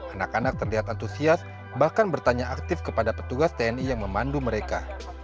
anak anak terlihat antusias bahkan bertanya aktif kepada petugas tni yang memandu mereka